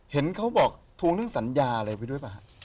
เห็นเขาบอกทวงเรื่องสัญญาอะไรไปด้วยป่ะฮะ